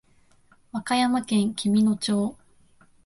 和歌山県紀美野町